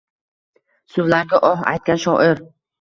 Suvlarga oh aytgan shoir